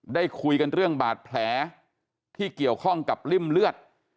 ได้คุยกันเรื่องบาดแผลที่เกี่ยวข้องกับริ่มเลือด